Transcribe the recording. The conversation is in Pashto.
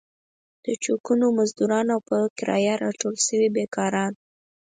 د چوکونو مزدوران او په کرايه راټول شوي بېکاران وو.